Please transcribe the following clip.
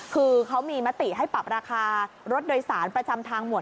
คือเขามีมติให้ปรับราคารถโดยสารประจำทางหมวด